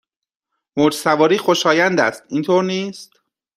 موج سواری خوشایند است، اینطور نیست؟